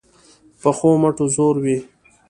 پخو مټو زور وي